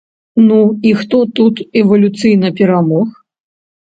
Ну і хто тут эвалюцыйна перамог?